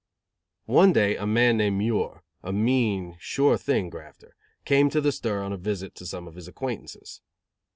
One day a man named "Muir," a mean, sure thing grafter, came to the stir on a visit to some of his acquaintances.